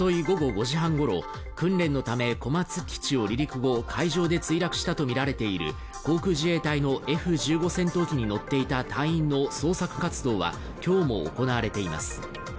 午後５時半ごろ訓練のため小松基地を離陸後海上で墜落したと見られている航空自衛隊のＦ１５戦闘機に乗っていた隊員の捜索活動は今日も行われています